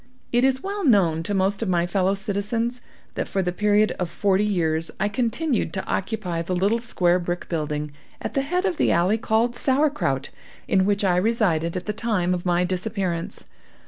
It is well known to most of my fellow citizens, that for the period of forty years I continued to occupy the little square brick building, at the head of the alley called Sauerkraut, in which I resided at the time of my disappearance.